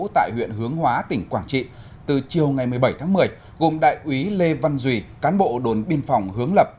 tại huyện hướng hóa tỉnh quảng trị từ chiều ngày một mươi bảy tháng một mươi gồm đại úy lê văn duy cán bộ đồn biên phòng hướng lập